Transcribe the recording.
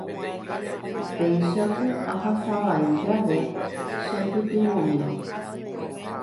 Péicha ku ahasavai jave chepytyvõmi.